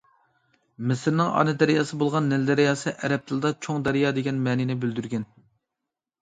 مىسىرنىڭ ئانا دەرياسى بولغان نىل دەرياسى ئەرەب تىلىدا‹‹ چوڭ دەريا›› دېگەن مەنىنى بىلدۈرىدىكەن.